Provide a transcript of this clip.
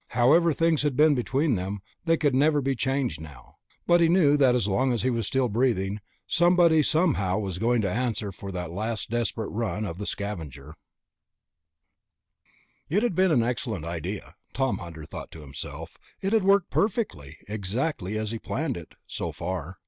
However things had been between them, they could never be changed now. But he knew that as long as he was still breathing, somebody somehow was going to answer for that last desperate run of the Scavenger.... It had been an excellent idea, Tom Hunter thought to himself, and it had worked perfectly, exactly as he had planned it ... so far.